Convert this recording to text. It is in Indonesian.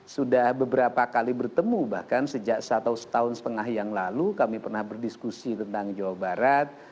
sudah beberapa kali bertemu bahkan sejak satu setahun setengah yang lalu kami pernah berdiskusi tentang jawa barat